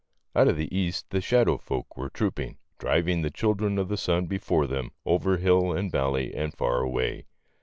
Out of the east the shadow folk were troop ing, driving the children of the sun before them over hill and valley and far away.